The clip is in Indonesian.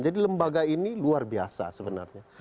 jadi lembaga ini luar biasa sebenarnya